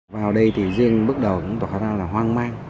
vào đây thì riêng bước đầu cũng khá là hoang mang